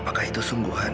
apakah itu sungguhan